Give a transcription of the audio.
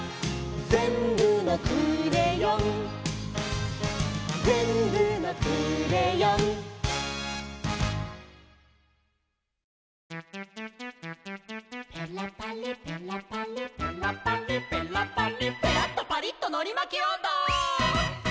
「ぜんぶのクレヨン」「ぜんぶのクレヨン」「ペラパリペラパリペラパリペラパリ」「ペラっとパリっとのりまきおんど！」